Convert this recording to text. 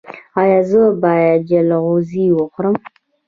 ایا زه باید جلغوزي وخورم؟